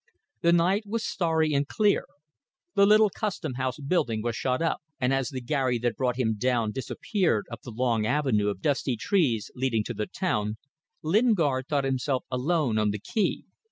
The night was starry and clear; the little custom house building was shut up, and as the gharry that brought him down disappeared up the long avenue of dusty trees leading to the town, Lingard thought himself alone on the quay.